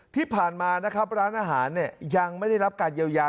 ที่ผ่านมานะครับร้านอาหารยังไม่ได้รับการเยียวยา